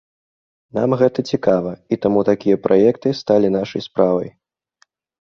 Нам гэта цікава, і таму такія праекты сталі нашай справай.